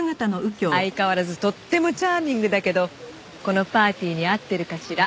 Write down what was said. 相変わらずとってもチャーミングだけどこのパーティーに合ってるかしら？